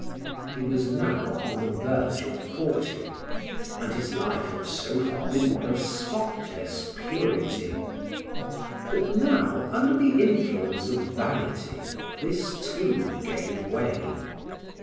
He was now on the verge of forty, and his life had so far been one of spotless purity; but now, under the influence of vanity, this too gave way.